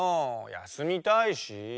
やすみたいし。